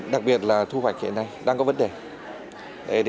đặc biệt là thu hoạch hiện nay đang có vấn đề